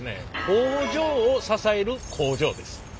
工場を支える工場です。